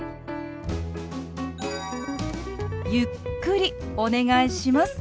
ゆっくりお願いします。